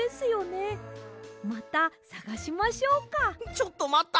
ちょっとまった！